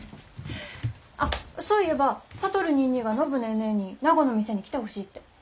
あっそういえば智ニーニーが暢ネーネーに名護の店に来てほしいって。